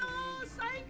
最高！